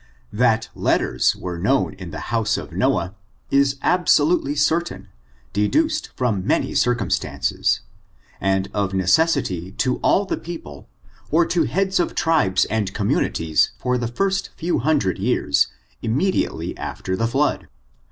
That letters were known in the house of Noah is absolutely certain^ deduced from many circumstaDoes, and of necessity to all the people, or to heads of tribes and communities for the first few hundred years, im mediately after the flood.